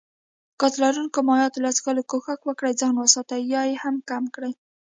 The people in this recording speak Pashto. ګاز لرونکو مايعاتو له څښلو کوښښ وکړي ځان وساتي يا يي هم کم کړي